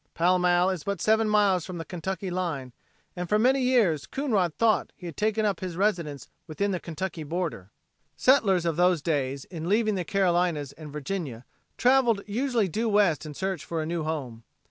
Pall Mall is but seven miles from the Kentucky line, and for many years Coonrod thought he had taken up his residence within the Kentucky border. Settlers of those days in leaving the Carolinas and Virginia traveled usually due west in search for a new home.